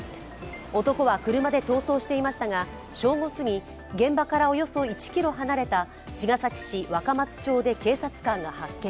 男は車で逃走していましたが正午すぎ、現場からおよそ１ｋｍ離れた茅ヶ崎市若松町で警察官が発見。